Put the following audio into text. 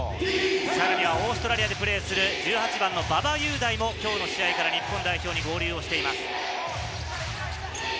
さらにはオーストラリアでプレーする１８番の馬場雄大も、今日から日本代表に合流しています。